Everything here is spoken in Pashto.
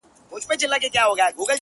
نن چي محتسب پر ګودرونو لنډۍ وچي کړې؛